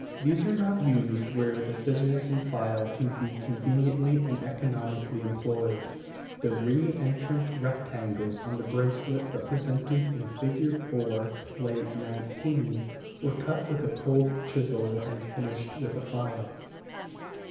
These are not used where the scissors and file can be conveniently and economically employed. The re entrant rectangles on the bracelet represented in Fig. 4, Pl. XIX, were cut with a cold chisel and finished with a file.